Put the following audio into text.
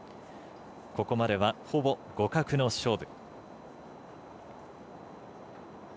ここまではほぼ互角の勝負。